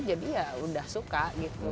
jadi ya udah suka gitu